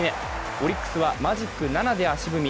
オリックスはマジック７で足踏み。